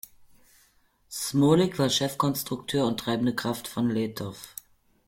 Šmolík war Chefkonstrukteur und treibende Kraft von Letov.